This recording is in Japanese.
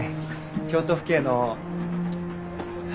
京都府警の。